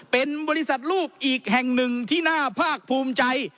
เป็นบริษัทรูปอีกแห่งหนึ่งที่น่าภาคภูมิใจ